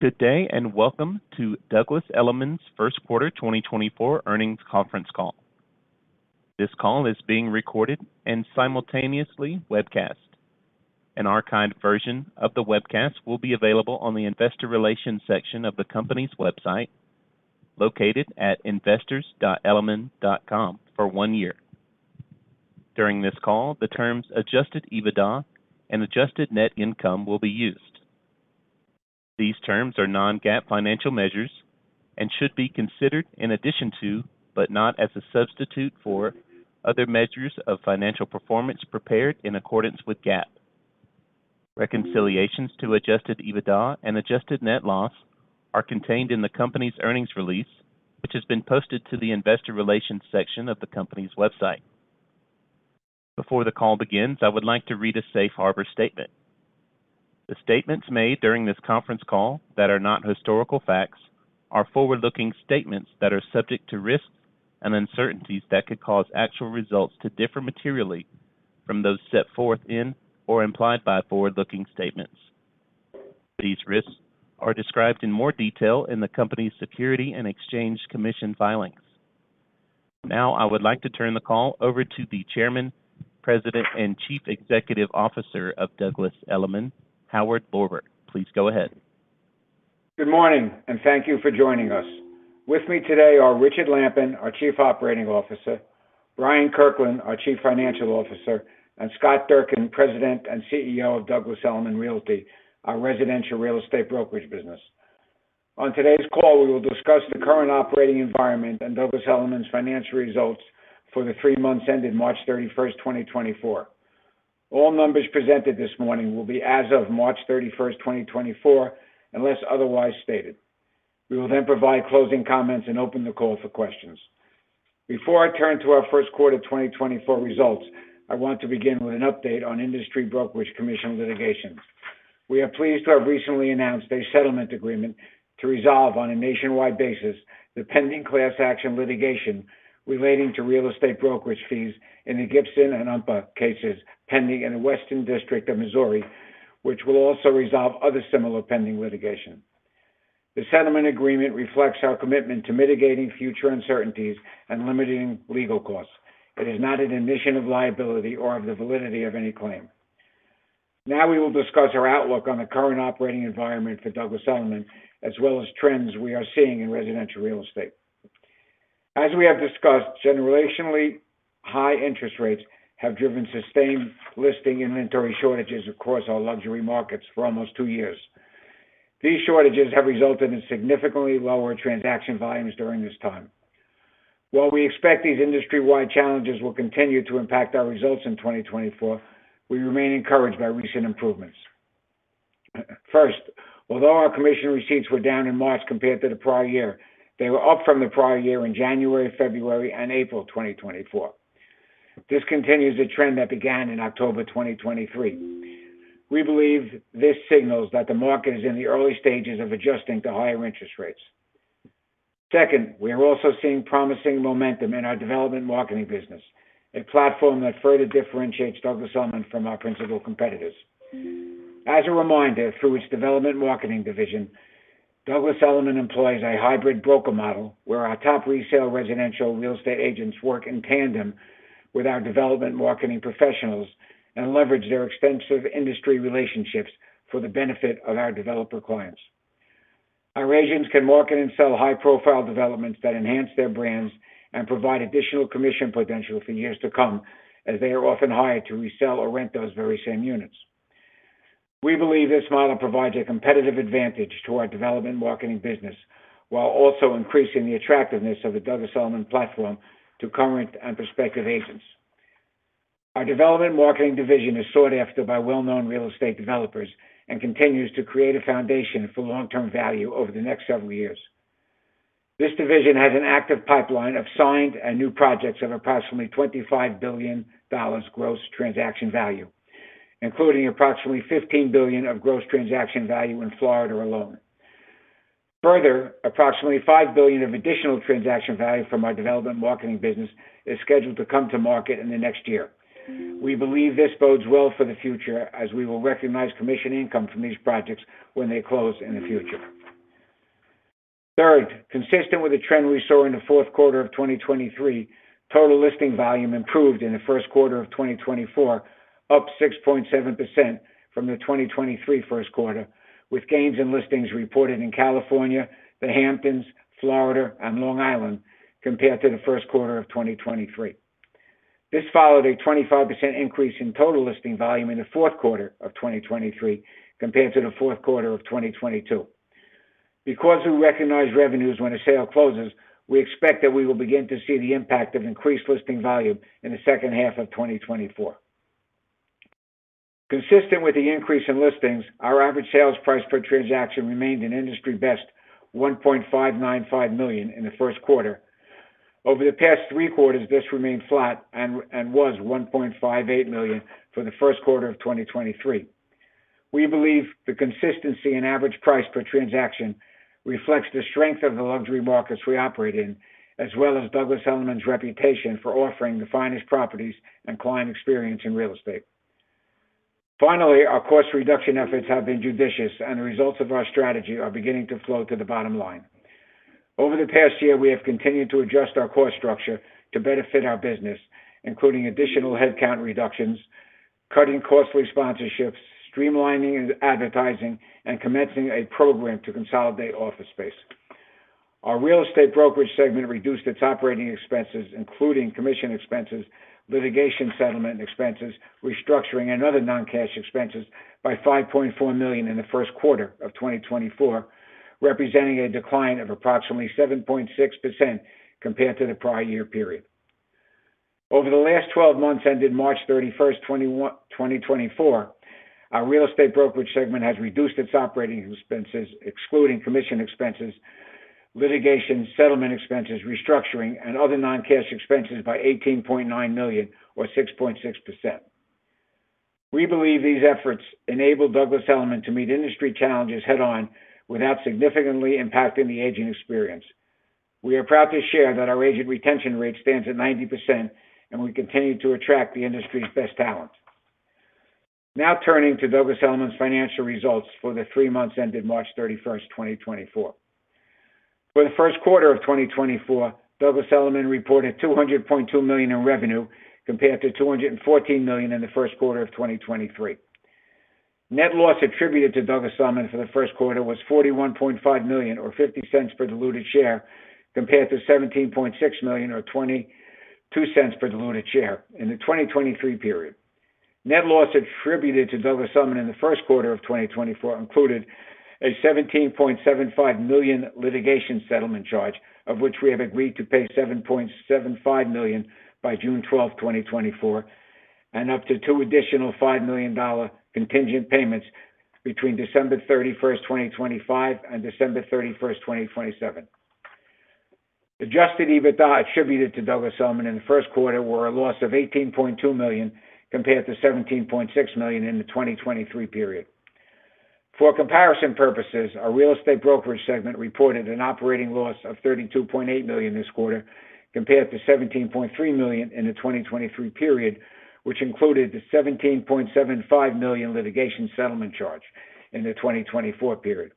Good day and welcome to Douglas Elliman's Q1 2024 Earnings Conference Call. This call is being recorded and simultaneously webcast. An archived version of the webcast will be available on the investor relations section of the company's website, located at investors.elliman.com for one year. During this call, the terms adjusted EBITDA and adjusted net income will be used. These terms are non-GAAP financial measures and should be considered in addition to, but not as a substitute for, other measures of financial performance prepared in accordance with GAAP. Reconciliations to adjusted EBITDA and adjusted net loss are contained in the company's earnings release, which has been posted to the investor relations section of the company's website. Before the call begins, I would like to read a safe harbor statement. The statements made during this conference call that are not historical facts are forward-looking statements that are subject to risks and uncertainties that could cause actual results to differ materially from those set forth in or implied by forward-looking statements. These risks are described in more detail in the company's Securities and Exchange Commission filings. Now I would like to turn the call over to the Chairman, President, and Chief Executive Officer of Douglas Elliman, Howard M. Lorber. Please go ahead. Good morning and thank you for joining us. With me today are Richard Lampen, our Chief Operating Officer; J. Bryant Kirkland III, our Chief Financial Officer; and Scott Durkin, President and CEO of Douglas Elliman Realty, our residential real estate brokerage business. On today's call, we will discuss the current operating environment and Douglas Elliman's financial results for the three months ended 31 March, 2024. All numbers presented this morning will be as of 31 March, 2024, unless otherwise stated. We will then provide closing comments and open the call for questions. Before I turn to our Q1 2024 results, I want to begin with an update on industry brokerage commission litigations. We are pleased to have recently announced a settlement agreement to resolve, on a nationwide basis, the pending class action litigation relating to real estate brokerage fees in the Gibson and Umpa cases pending in the Western District of Missouri, which will also resolve other similar pending litigation. The settlement agreement reflects our commitment to mitigating future uncertainties and limiting legal costs. It is not an admission of liability or of the validity of any claim. Now we will discuss our outlook on the current operating environment for Douglas Elliman, as well as trends we are seeing in residential real estate. As we have discussed, generationally high interest rates have driven sustained listing inventory shortages across our luxury markets for almost two years. These shortages have resulted in significantly lower transaction volumes during this time. While we expect these industry-wide challenges will continue to impact our results in 2024, we remain encouraged by recent improvements. First, although our commission receipts were down in March compared to the prior year, they were up from the prior year in January, February, and April 2024. This continues a trend that began in October 2023. We believe this signals that the market is in the early stages of adjusting to higher interest rates. Second, we are also seeing promising momentum in our development marketing business, a platform that further differentiates Douglas Elliman from our principal competitors. As a reminder, through its development marketing division, Douglas Elliman employs a hybrid broker model where our top resale residential real estate agents work in tandem with our development marketing professionals and leverage their extensive industry relationships for the benefit of our developer clients. Our agents can market and sell high-profile developments that enhance their brands and provide additional commission potential for years to come, as they are often hired to resell or rent those very same units. We believe this model provides a competitive advantage to our development marketing business while also increasing the attractiveness of the Douglas Elliman platform to current and prospective agents. Our development marketing division is sought after by well-known real estate developers and continues to create a foundation for long-term value over the next several years. This division has an active pipeline of signed and new projects of approximately $25 billion gross transaction value, including approximately $15 billion of gross transaction value in Florida alone. Further, approximately $5 billion of additional transaction value from our development marketing business is scheduled to come to market in the next year. We believe this bodes well for the future, as we will recognize commission income from these projects when they close in the future. Third, consistent with the trend we saw in the Q4 2023, total listing volume improved in the Q1 2024, up 6.7% from the 2023 Q1, with gains in listings reported in California, The Hamptons, Florida, and Long Island compared to the Q1 2023. This followed a 25% increase in total listing volume in the Q4 2023 compared to the Q4 2022. Because we recognize revenues when a sale closes, we expect that we will begin to see the impact of increased listing volume in the second half of 2024. Consistent with the increase in listings, our average sales price per transaction remained in industry best $1.595 million in the Q1. Over the past three quarters, this remained flat and was $1.58 million for the Q1 of 2023. We believe the consistency in average price per transaction reflects the strength of the luxury markets we operate in, as well as Douglas Elliman's reputation for offering the finest properties and client experience in real estate. Finally, our cost reduction efforts have been judicious, and the results of our strategy are beginning to flow to the bottom line. Over the past year, we have continued to adjust our cost structure to benefit our business, including additional headcount reductions, cutting costly sponsorships, streamlining advertising, and commencing a program to consolidate office space. Our real estate brokerage segment reduced its operating expenses, including commission expenses, litigation settlement expenses, restructuring, and other non-cash expenses, by $5.4 million in the Q1 of 2024, representing a decline of approximately 7.6% compared to the prior year period. Over the last 12 months ended 31 March, 2024, our real estate brokerage segment has reduced its operating expenses, excluding commission expenses, litigation, settlement expenses, restructuring, and other non-cash expenses, by $18.9 million or 6.6%. We believe these efforts enable Douglas Elliman to meet industry challenges head-on without significantly impacting the agent experience. We are proud to share that our agent retention rate stands at 90%, and we continue to attract the industry's best talent. Now turning to Douglas Elliman's financial results for the three months ended 31 March, 2024. For the Q1 of 2024, Douglas Elliman reported $200.2 million in revenue compared to $214 million in the Q1 of 2023. Net loss attributed to Douglas Elliman for the Q1 was $41.5 million or $0.50 per diluted share compared to $17.6 million or $0.22 per diluted share in the 2023 period. Net loss attributed to Douglas Elliman in the Q1 2024 included a $17.75 million litigation settlement charge, of which we have agreed to pay $7.75 million by June 12, 2024, and up to two additional $5 million contingent payments between December 31, 2025, and December 31, 2027. Adjusted EBITDA attributed to Douglas Elliman in the Q1 were a loss of $18.2 million compared to $17.6 million in the 2023 period. For comparison purposes, our real estate brokerage segment reported an operating loss of $32.8 million this quarter compared to $17.3 million in the 2023 period, which included the $17.75 million litigation settlement charge in the 2024 period.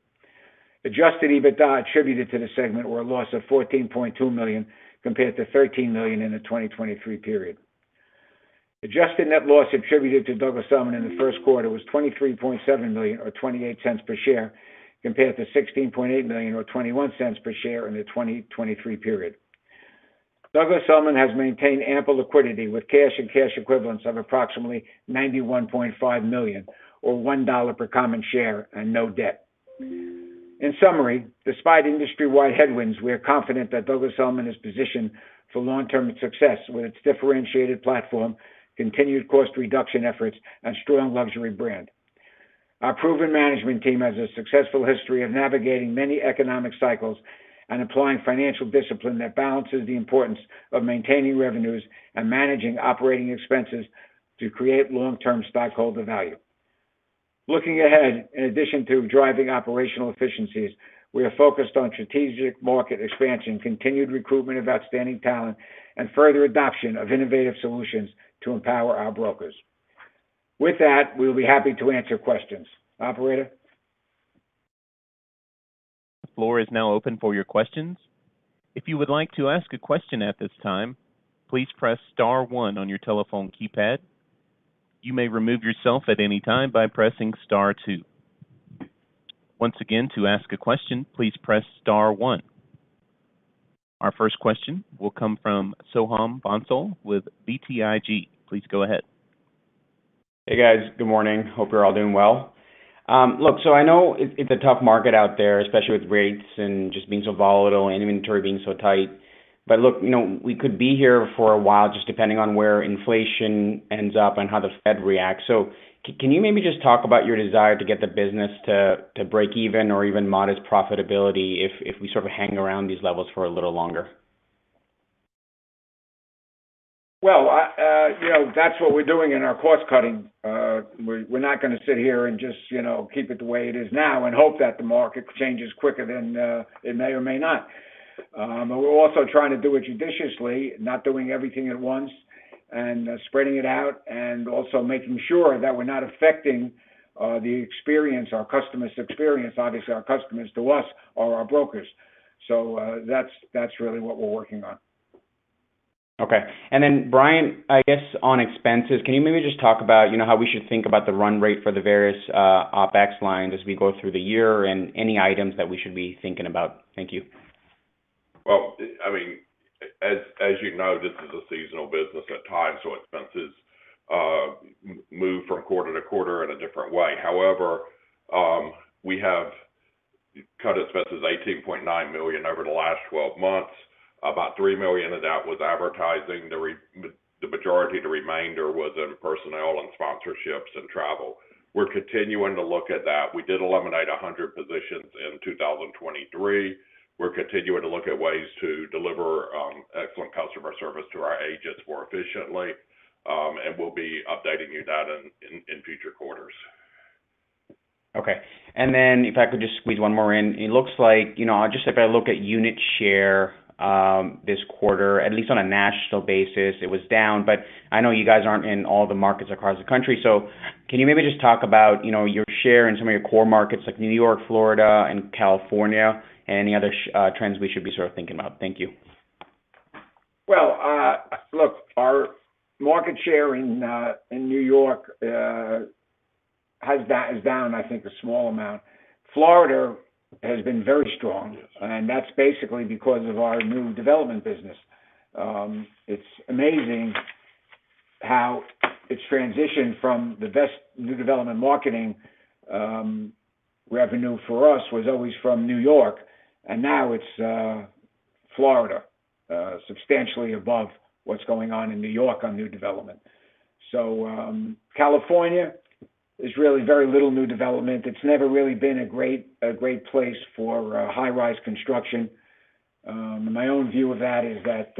Adjusted EBITDA attributed to the segment were a loss of $14.2 million compared to $13 million in the 2023 period. Adjusted Net Loss attributed to Douglas Elliman in the Q1 was $23.7 million or $0.28 per share compared to $16.8 million or $0.21 per share in the 2023 period. Douglas Elliman has maintained ample liquidity with cash and cash equivalents of approximately $91.5 million or $1 per common share and no debt. In summary, despite industry-wide headwinds, we are confident that Douglas Elliman is positioned for long-term success with its differentiated platform, continued cost reduction efforts, and strong luxury brand. Our proven management team has a successful history of navigating many economic cycles and applying financial discipline that balances the importance of maintaining revenues and managing operating expenses to create long-term stockholder value. Looking ahead, in addition to driving operational efficiencies, we are focused on strategic market expansion, continued recruitment of outstanding talent, and further adoption of innovative solutions to empower our brokers. With that, we will be happy to answer questions. Operator? The floor is now open for your questions. If you would like to ask a question at this time, please press star one on your telephone keypad. You may remove yourself at any time by pressing star two. Once again, to ask a question, please press star one. Our first question will come from Soham Bhonsle with Compass. Please go ahead. Hey guys. Good morning. Hope you're all doing well. Look, so I know it's a tough market out there, especially with rates and just being so volatile and inventory being so tight. But look, we could be here for a while just depending on where inflation ends up and how the Fed reacts. So can you maybe just talk about your desire to get the business to break even or even modest profitability if we sort of hang around these levels for a little longer? Well, that's what we're doing in our cost cutting. We're not going to sit here and just keep it the way it is now and hope that the market changes quicker than it may or may not. But we're also trying to do it judiciously, not doing everything at once and spreading it out and also making sure that we're not affecting the experience, our customers' experience, obviously our customers to us or our brokers. So that's really what we're working on. Okay. And then, Bryant, I guess on expenses, can you maybe just talk about how we should think about the run rate for the various OpEx lines as we go through the year and any items that we should be thinking about? Thank you. Well, I mean, as you know, this is a seasonal business at times, so expenses move from quarter to quarter in a different way. However, we have cut expenses $18.9 million over the last 12 months. About $3 million of that was advertising. The majority, the remainder, was in personnel and sponsorships and travel. We're continuing to look at that. We did eliminate 100 positions in 2023. We're continuing to look at ways to deliver excellent customer service to our agents more efficiently, and we'll be updating you that in future quarters. Okay. And then if I could just squeeze one more in. It looks like just if I look at unit share this quarter, at least on a national basis, it was down. But I know you guys aren't in all the markets across the country. So can you maybe just talk about your share in some of your core markets like New York, Florida, and California, and any other trends we should be sort of thinking about? Thank you. Well, look, our market share in New York is down, I think, a small amount. Florida has been very strong, and that's basically because of our new development business. It's amazing how it's transitioned from the best new development marketing revenue for us was always from New York, and now it's Florida, substantially above what's going on in New York on new development. So California is really very little new development. It's never really been a great place for high-rise construction. My own view of that is that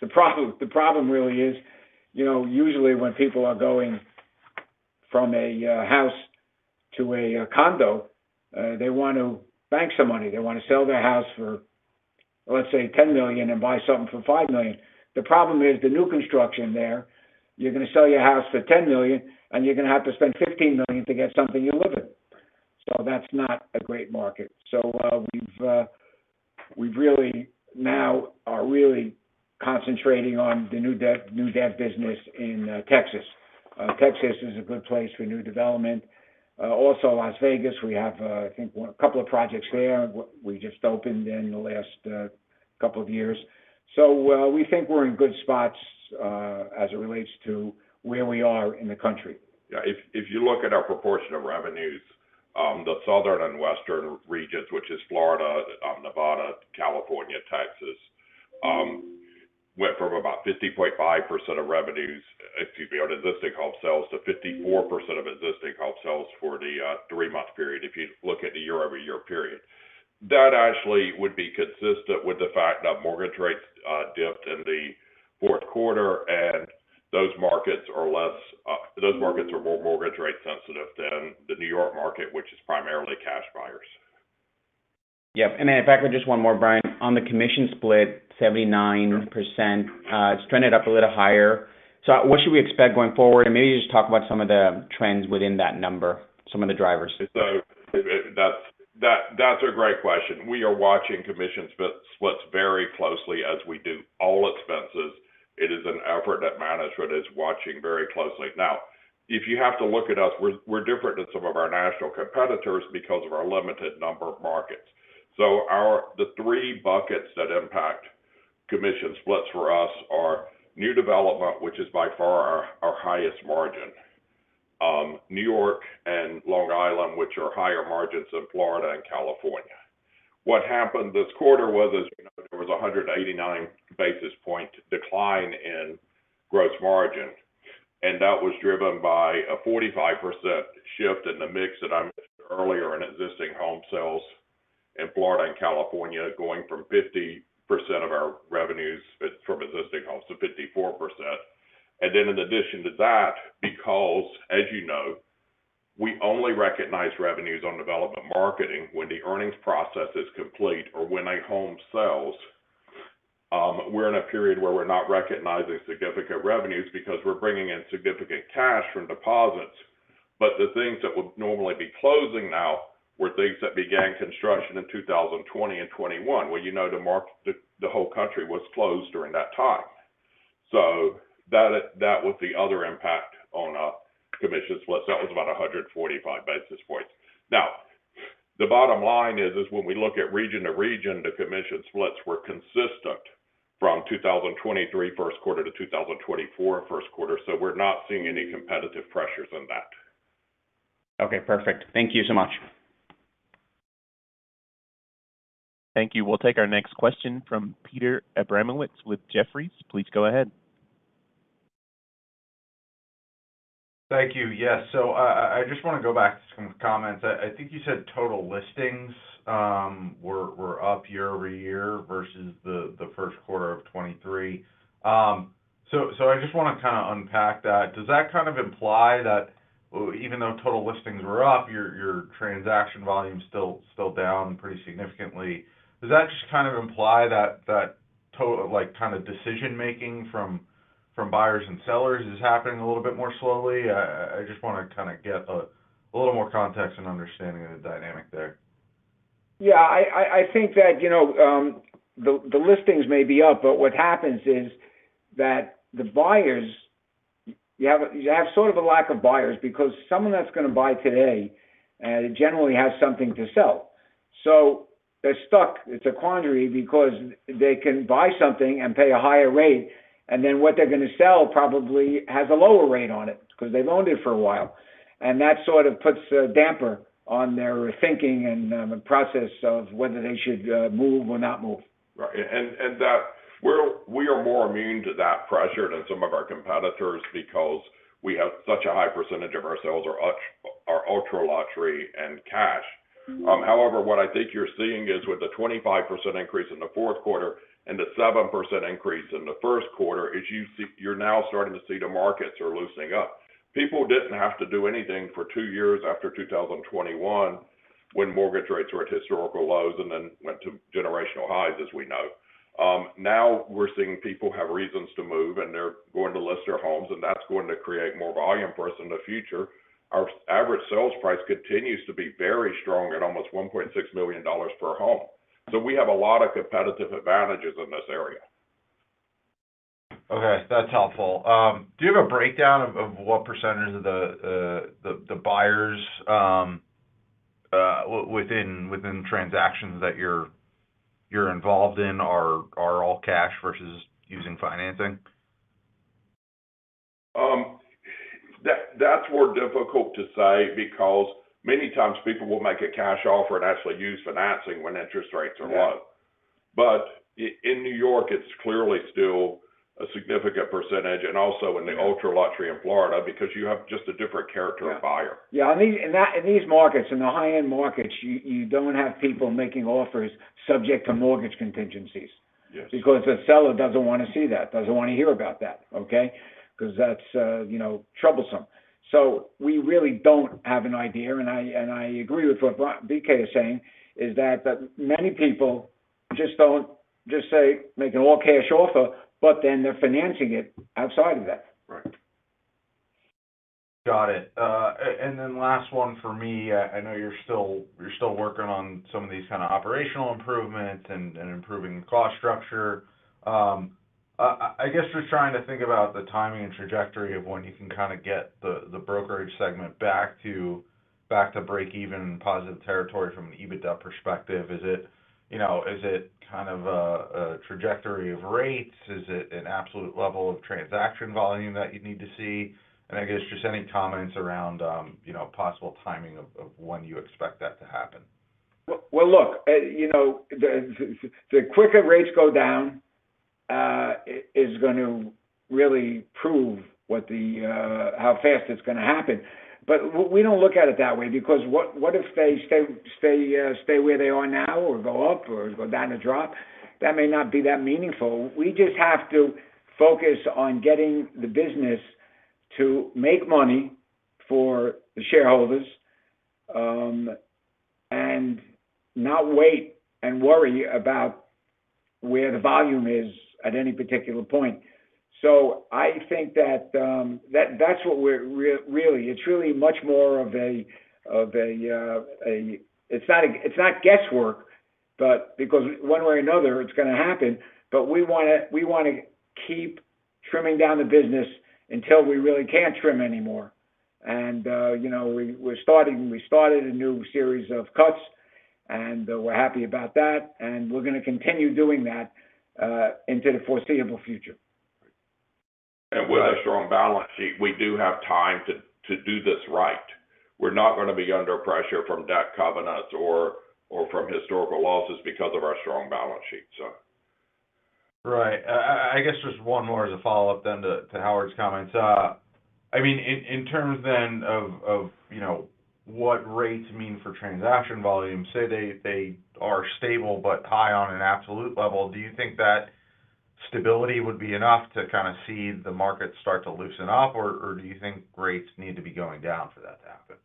the problem really is usually when people are going from a house to a condo, they want to bank some money. They want to sell their house for, let's say, $10 million and buy something for $5 million. The problem is the new construction there, you're going to sell your house for $10 million, and you're going to have to spend $15 million to get something you live in. So that's not a great market. So we really now are really concentrating on the new development business in Texas. Texas is a good place for new development. Also, Las Vegas, we have, I think, a couple of projects there. We just opened in the last couple of years. So we think we're in good spots as it relates to where we are in the country. Yeah. If you look at our proportion of revenues, the southern and western regions, which is Florida, Nevada, California, Texas, went from about 50.5% of revenues - excuse me - on existing home sales to 54% of existing home sales for the three-month period. If you look at the year-over-year period, that actually would be consistent with the fact that mortgage rates dipped in the Q4, and those markets are more mortgage rate sensitive than the New York market, which is primarily cash buyers. Yep. If I could just one more, Bryant. On the commission split, 79%. It's trended up a little higher. What should we expect going forward? Maybe just talk about some of the trends within that number, some of the drivers. So that's a great question. We are watching commission splits very closely as we do all expenses. It is an effort that management is watching very closely. Now, if you have to look at us, we're different than some of our national competitors because of our limited number of markets. So the three buckets that impact commission splits for us are new development, which is by far our highest margin, New York and Long Island, which are higher margins than Florida and California. What happened this quarter was, as you know, there was a 189 basis points decline in gross margin, and that was driven by a 45% shift in the mix that I mentioned earlier in existing home sales in Florida and California, going from 50% of our revenues from existing homes to 54%. Then in addition to that, because, as you know, we only recognize revenues on development marketing when the earnings process is complete or when a home sells, we're in a period where we're not recognizing significant revenues because we're bringing in significant cash from deposits. But the things that would normally be closing now were things that began construction in 2020 and 2021, where you know the whole country was closed during that time. So that was the other impact on commission splits. That was about 145 basis points. Now, the bottom line is when we look at region to region, the commission splits were consistent from 2023 Q1 to 2024 Q1. So we're not seeing any competitive pressures in that. Okay. Perfect. Thank you so much. Thank you. We'll take our next question from Peter Abramowitz with Jefferies. Please go ahead. Thank you. Yes. So I just want to go back to some comments. I think you said total listings were up year-over-year versus the Q1 of 2023. So I just want to kind of unpack that. Does that kind of imply that even though total listings were up, your transaction volume's still down pretty significantly? Does that just kind of imply that kind of decision-making from buyers and sellers is happening a little bit more slowly? I just want to kind of get a little more context and understanding of the dynamic there. Yeah. I think that the listings may be up, but what happens is that the buyers, you have sort of a lack of buyers because someone that's going to buy today generally has something to sell. So they're stuck. It's a quandary because they can buy something and pay a higher rate, and then what they're going to sell probably has a lower rate on it because they've owned it for a while. And that sort of puts a damper on their thinking and process of whether they should move or not move. Right. And we are more immune to that pressure than some of our competitors because we have such a high percentage of our sales are ultra-luxury and cash. However, what I think you're seeing is with the 25% increase in the Q4 and the 7% increase in the Q1, you're now starting to see the markets are loosening up. People didn't have to do anything for two years after 2021 when mortgage rates were at historical lows and then went to generational highs, as we know. Now we're seeing people have reasons to move, and they're going to list their homes, and that's going to create more volume for us in the future. Our average sales price continues to be very strong at almost $1.6 million per home. So we have a lot of competitive advantages in this area. Okay. That's helpful. Do you have a breakdown of what percentage of the buyers within transactions that you're involved in are all cash versus using financing? That's more difficult to say because many times people will make a cash offer and actually use financing when interest rates are low. But in New York, it's clearly still a significant percentage, and also in the ultra-luxury in Florida because you have just a different character of buyer. Yeah. And in these markets, in the high-end markets, you don't have people making offers subject to mortgage contingencies because the seller doesn't want to see that, doesn't want to hear about that, okay, because that's troublesome. So we really don't have an idea. And I agree with what BK is saying, is that many people just say, "Make an all-cash offer," but then they're financing it outside of that. Right. Got it. And then last one for me. I know you're still working on some of these kind of operational improvements and improving the cost structure. I guess just trying to think about the timing and trajectory of when you can kind of get the brokerage segment back to break-even and positive territory from an EBITDA perspective. Is it kind of a trajectory of rates? Is it an absolute level of transaction volume that you need to see? And I guess just any comments around possible timing of when you expect that to happen. Well, look, the quicker rates go down is going to really prove how fast it's going to happen. But we don't look at it that way because what if they stay where they are now or go up or go down and drop? That may not be that meaningful. We just have to focus on getting the business to make money for the shareholders and not wait and worry about where the volume is at any particular point. So I think that that's what we're really, it's really much more of a, it's not guesswork because one way or another, it's going to happen. But we want to keep trimming down the business until we really can't trim anymore. And we started a new series of cuts, and we're happy about that. And we're going to continue doing that into the foreseeable future. With our strong balance sheet, we do have time to do this right. We're not going to be under pressure from debt covenants or from historical losses because of our strong balance sheet, so. Right. I guess just one more as a follow-up then to Howard's comments. I mean, in terms then of what rates mean for transaction volume, say they are stable but high on an absolute level, do you think that stability would be enough to kind of see the markets start to loosen up, or do you think rates need to be going down for that to happen?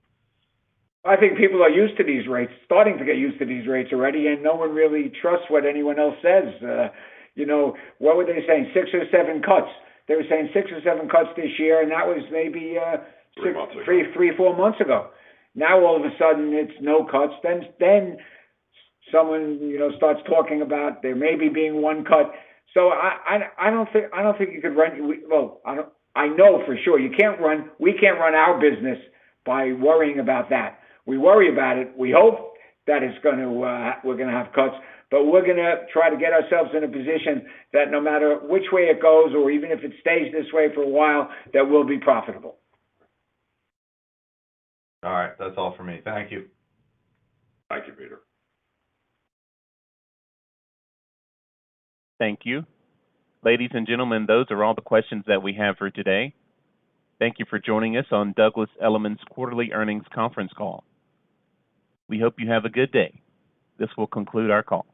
I think people are used to these rates, starting to get used to these rates already, and no one really trusts what anyone else says. What were they saying? Six or seven cuts. They were saying six or seven cuts this year, and that was maybe three, four months ago. Now, all of a sudden, it's no cuts. Then someone starts talking about there may be being one cut. So I don't think you could run well, I know for sure you can't run we can't run our business by worrying about that. We worry about it. We hope that we're going to have cuts, but we're going to try to get ourselves in a position that no matter which way it goes or even if it stays this way for a while, that we'll be profitable. All right. That's all for me. Thank you. Thank you, Peter. Thank you. Ladies and gentlemen, those are all the questions that we have for today. Thank you for joining us on Douglas Elliman's quarterly earnings conference call. We hope you have a good day. This will conclude our call.